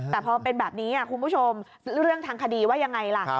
แต่พอเป็นแบบนี้คุณผู้ชมเรื่องทางคดีว่ายังไงล่ะ